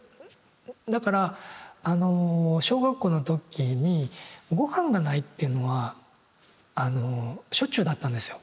だからあの小学校の時に御飯がないっていうのはあのしょっちゅうだったんですよ。